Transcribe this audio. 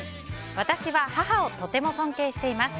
私は母をとても尊敬しています。